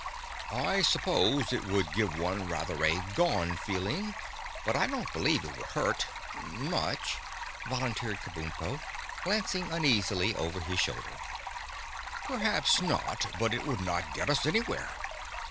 "I suppose it would give one rather a gone feeling, but I don't believe it would hurt—much!" volunteered Kabumpo, glancing uneasily over his shoulder. "Perhaps not, but it would not get us anywhere.